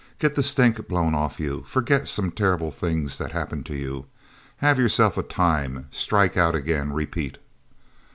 Get the stink blown off you forget some terrible things that had happened to you. Have yourself a time. Strike Out again. Repeat...